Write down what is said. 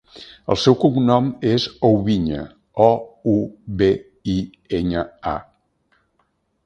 El seu cognom és Oubiña: o, u, be, i, enya, a.